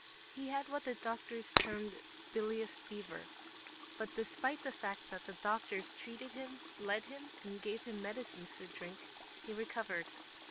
He had what the doctors termed "bilious fever." But despite the fact that the doctors treated him, bled him, and gave him medicines to drink, he recovered.